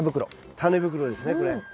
タネ袋ですねこれ。